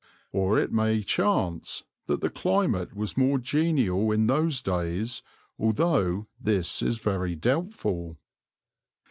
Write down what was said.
Or it may chance that the climate was more genial in those days, although this is very doubtful."